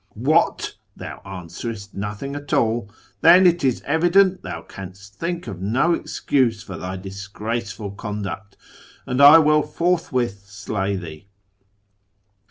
... What ! thou answerest nothing at all ? Then it is evident thou can'st think of no excuse for thy disgraceful conduct, and I will forthwith slay thee.'